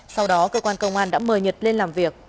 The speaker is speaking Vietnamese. sau đó cơ quan công an đã mời nhật lên làm việc